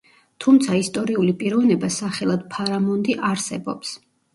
თუმცა ისტორიული პიროვნება სახელად ფარამონდი არსებობს.